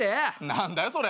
何だよそれ。